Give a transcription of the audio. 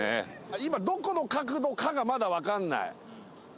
今どこの角度かがまだわかんない。